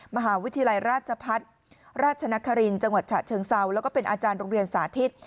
มหาวิทยาลัยราชพัฒน์ราชนครินทร์จังหวัดฉะเชิงเซาแล้วก็เป็นอาจารย์โรงเรียนสาธิต